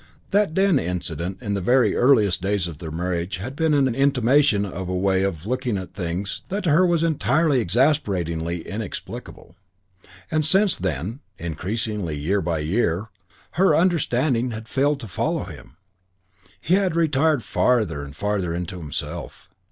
That den incident in the very earliest days of their marriage had been an intimation of a way of looking at things that to her was entirely and exasperatingly inexplicable; and since then, increasingly year by year, her understanding had failed to follow him. He had retired farther and farther into himself.